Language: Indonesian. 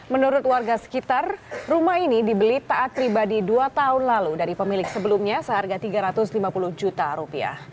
menurut warga sekitar rumah ini dibeli taat pribadi dua tahun lalu dari pemilik sebelumnya seharga rp tiga ratus lima puluh juta